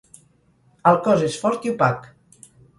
El cos és fort i opac.